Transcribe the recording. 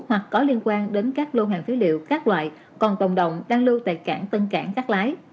hoặc có liên quan đến các lô hàng phế liệu các loại còn tồn động đang lưu tại cảng tân cảng cắt lái